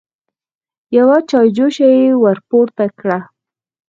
يوه چايجوشه يې ور پورته کړه.